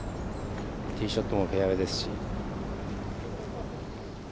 ティーショットもフェアウエーですし。